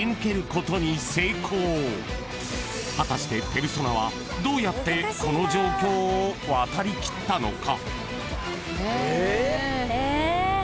［果たしてペルソナはどうやってこの状況を渡りきったのか？］